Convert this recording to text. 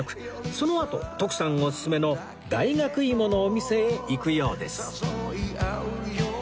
そのあと徳さんおすすめの大学芋のお店へ行くようです